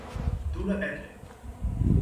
Dur a perdre.